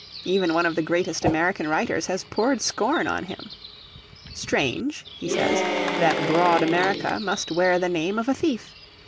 Even one of the greatest American writers has poured scorn on him. "Strange," he says, "that broad America must wear the name of a thief.